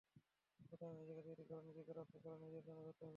সুতরাং নিজেকে তৈরি করো, নিজেকে রক্ষা করো, নিজের জন্য যুদ্ধ করো।